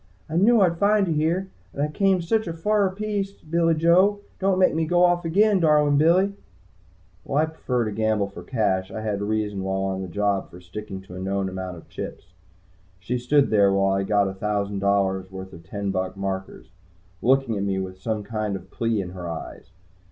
"I knew I'd find you here. And I came sich a fer piece, Billy Joe! Don't make me go off again, darlin' Billy!" While I prefer to gamble for cash, I had reason while on a job for sticking to a known amount of chips. She stood there while I got a thousand dollars worth of ten buck markers, looking at me with some kind of plea in her eyes.